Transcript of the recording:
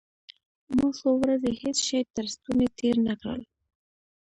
ما څو ورځې هېڅ شى تر ستوني تېر نه کړل.